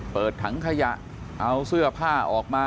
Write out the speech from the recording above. เปิดถังขยะเอาเสื้อผ้าออกมา